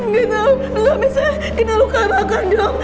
tidak bisa ini luka makan dok